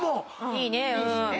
いいね。